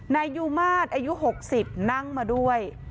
นายยูมาตรอายุ๖๐นั่งมาด้วย